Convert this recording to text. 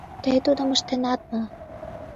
Тый тудым ыштенат мо?